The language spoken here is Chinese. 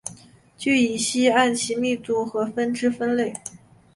聚乙烯按其密度和分支分类。